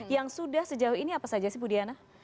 yang sudah sejauh ini apa saja sih budiana